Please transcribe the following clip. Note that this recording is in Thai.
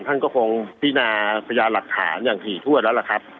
ท่านก็คงพินาพญาหลักฐานอย่างถี่ถ้วนแล้วล่ะครับ